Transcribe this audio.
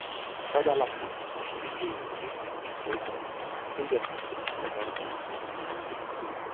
Tadalafil is structurally different from both sildenafil and vardenafil.